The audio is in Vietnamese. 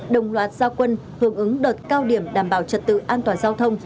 đồng loạt gia quân hướng ứng đợt cao điểm đảm bảo trật tự an toàn giao thông